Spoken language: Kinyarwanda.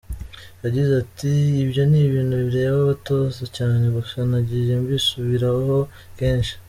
Yagize ati “Ibyo ni ibintu bireba abatoza cyane gusa nagiye mbisubiraho kenshi .